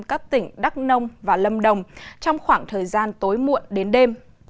các tỉnh đắk nông và lâm đồng trong khoảng thời gian tối muộn đến đêm